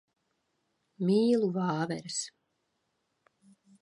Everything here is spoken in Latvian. Mīlu vāveres.